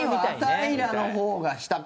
平良の方が下か？